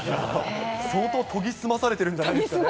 相当研ぎ澄まされてるんじゃないですかね。